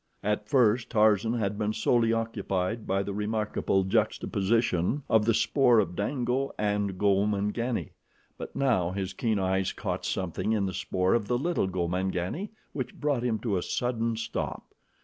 At first Tarzan had been solely occupied by the remarkable juxtaposition of the spoor of Dango and Gomangani, but now his keen eyes caught something in the spoor of the little Gomangani which brought him to a sudden stop.